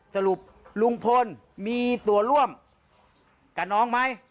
สรุปลุงพลมีตัวร่วมกับน้องไหม